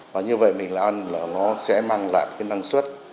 và như vậy mình là nó sẽ mang lại cái năng suất